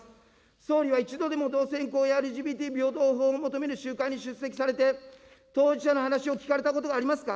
総理は一度でも同性婚やＬＧＢＴ平等法を求める集会に出席されて、当事者の話を聞かれたことはありますか。